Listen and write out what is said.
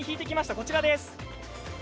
こちらです。